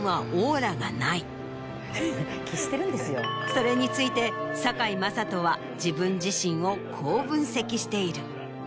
それについて堺雅人は自分自身をこう分析している。